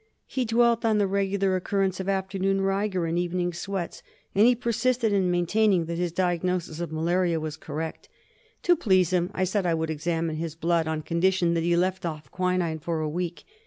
He dwelt on the regular occur rence of afternoon rigor and evening sweats, and he persisted in maintaining that his diagnosis of malaria was correct. To please him I said I would examine his blood on condition that he left off quinine for a week.